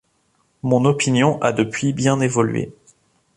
Mon opinion a depuis bien évolué...